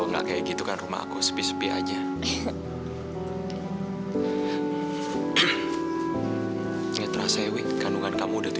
gak usah tersantun kamu